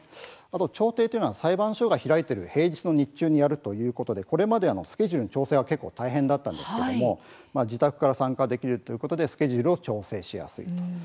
調停というのは裁判所が開いている平日の日中にやるということでこれまでスケジュールの調整が大変だったんですけれども自宅から参加できるということで調整しやすい。